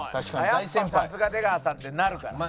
「やっぱさすが出川さん」ってなるから。